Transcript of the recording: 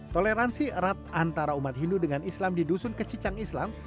toleransi erat antara umat hindu dengan islam di dusun kecicang islam